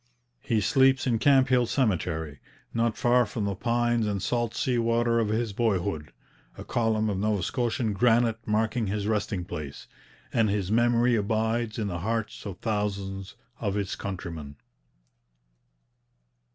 He sleeps in Camphill Cemetery, not far from the pines and salt sea water of his boyhood, a column of Nova Scotian granite marking his resting place; and his memory abides in the hearts of thousands of his countrymen.